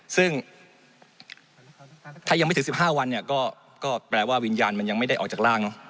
ซึ่งถ้ายังไม่ถึง๑๕วันเนี่ยก็แปลว่าวิญญาณมันยังไม่ได้ออกจากร่างเนอะ